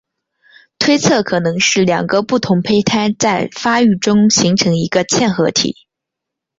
推测可能是两个不同胚胎在发育中形成一个嵌合体。